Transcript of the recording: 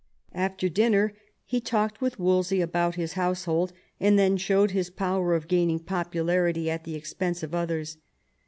After dinner he talked with Wolsey about his household, and then showed his power of gaining popularity at the expense of others.